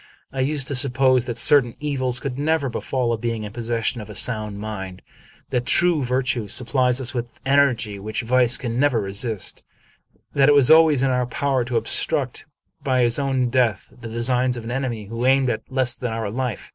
I used to suppose that certain evils could never befall a being in possession of a sound mind ; that true virtue sup plies us with energy which vice can never resist ; that it was always in our power to obstruct, by his own death, the de signs of an enemy who aimed at less than our life.